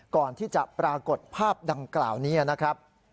ก่อนที่จะปรากฏภาพดังกล่าวนี้นะครับ